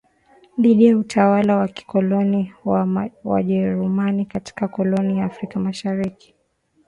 dhidi ya utawala wa kikoloni wa wajerumani katika koloni la Afrika Mashariki